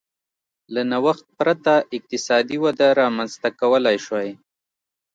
له نوښت پرته اقتصادي وده رامنځته کولای شوای.